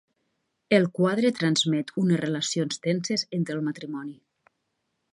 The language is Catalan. El quadre transmet unes relacions tenses entre el matrimoni.